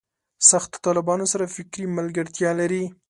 سختو طالبانو سره فکري ملګرتیا لري.